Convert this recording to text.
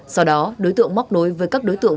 sau đó đối tượng móc nối với các đối tượng